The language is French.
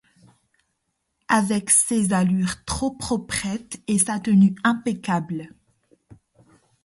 avec ses allures trop proprettes et sa tenue impeccable.